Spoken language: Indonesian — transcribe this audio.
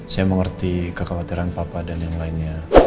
saya mengerti kekhawatiran papa dan yang lainnya